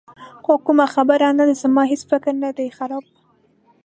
خو کومه خبره نه ده، زما هېڅ فکر نه دی خراب.